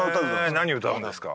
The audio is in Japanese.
何歌うんですか？